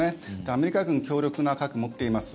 アメリカ軍強力な核を持っています。